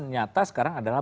nyata sekarang adalah